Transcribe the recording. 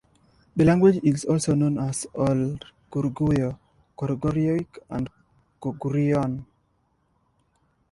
The language is also known as Old Koguryo, Koguryoic, and Koguryoan.